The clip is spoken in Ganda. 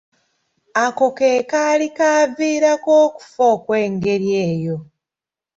Ako ke kaali kaviirako okufa okw’engeri eyo.